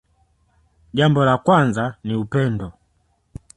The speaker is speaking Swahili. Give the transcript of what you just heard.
Jambo la kwanza ni upendo